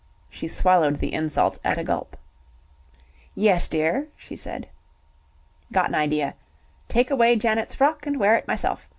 She swallowed the insult at a gulp. "Yes, dear," she said. "Got an idea. Take away Janet's frock, and wear it myself.